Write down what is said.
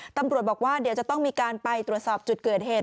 ตำรวจบอกว่าเดี๋ยวจะต้องมีการไปตรวจสอบจุดเกิดเหตุ